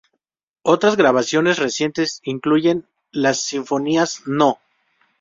Otras grabaciones recientes incluyen las sinfonías No.